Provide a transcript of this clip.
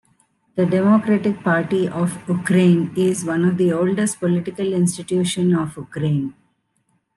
The Democratic Party of Ukraine is one of the oldest political institutions of Ukraine.